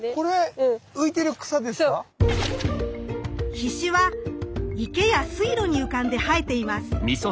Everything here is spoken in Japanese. ヒシは池や水路に浮かんで生えています。